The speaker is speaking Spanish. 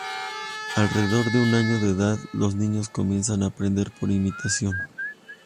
Alrededor de un año de edad, los niños comienzan a aprender por imitación.